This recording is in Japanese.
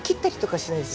しないですよ